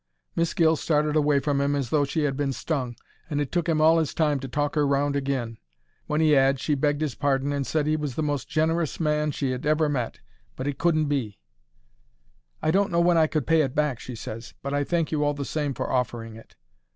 Miss Gill started away from 'im as though she 'ad been stung, and it took 'im all his time to talk 'er round agin. When he 'ad she begged 'is pardon and said he was the most generous man she 'ad ever met, but it couldn't be. "I don't know when I could pay it back," she ses, "but I thank you all the same for offering it."